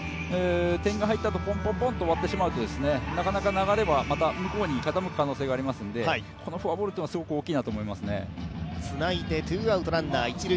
点が入ったあとポンポンポンと終わってしまうとまた流れが向こうに傾く可能性がありますのでこのフォアボールはすごく大きいなと思いますね。